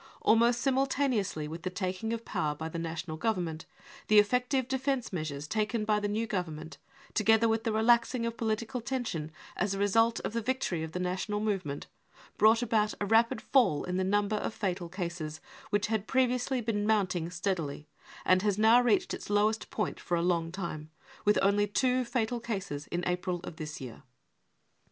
,.. Almost simultaneously with the taking of power by the National Government the effective defence measures taken by the new Government, together with the re laxing of political tension as a result of the victory of the national movement, brought about a rapid fall in the number of fatal cases, which had previously been mounting steadily and has now reached its lowest point for a long time, with only two fatal cases in April of this year.